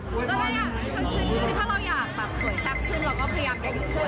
ก็ได้อะถ้าเราอยากสวยแซ่บขึ้นเราก็พยายามอย่าหยุดสวย